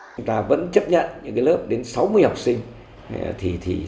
chúng ta vẫn chấp nhận những lớp đến sáu mươi học sinh